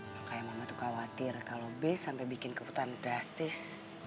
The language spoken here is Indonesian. makanya mama tuh khawatir kalo b sampai bikin keputusan drastis